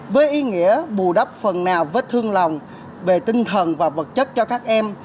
với ý nghĩa bù đắp phần nào vết thương lòng về tinh thần và vật chất cho các em